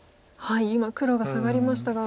今黒がサガりましたが。